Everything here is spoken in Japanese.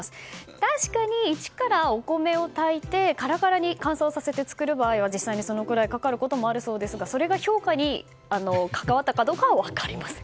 確かに位置からお米を炊いてカラカラに乾燥させて作るなら実際に、そのくらいかかることもあるようですが評価にそれが関わったかは分かりません。